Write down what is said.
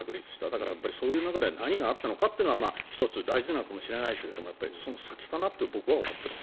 だから、そういう中で何があったのかというのは１つ大事なのかもしれませんがその先かなと僕は思っています。